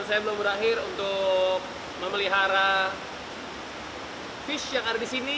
saya belum berakhir untuk memelihara fish yang ada di sini